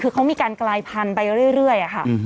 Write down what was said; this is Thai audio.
คือเขามีการกลายพันธุ์ไปเรื่อยค่ะ